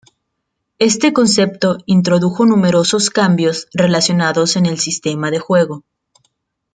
Este concepto introdujo numerosos cambios relacionados en el sistema de juego.